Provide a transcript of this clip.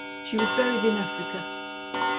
She was buried in Africa.